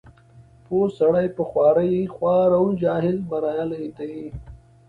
پوه سړی په خوارۍ خوار او جاهل بریالی دی.